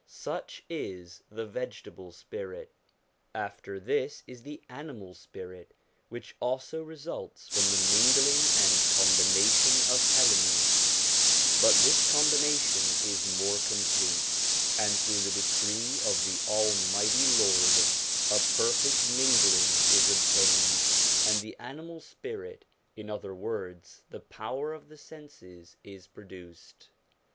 Such is the vegetable spirit. After this is the animal spirit, which also results from the mingling and combination of elements; but this combination is more complete, and through the decree of the Almighty Lord a perfect mingling is obtained, and the animal spirit, in other words the power of the senses, is produced.